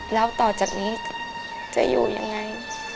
แล้วต่อจากนี้จะอยู่ยังไง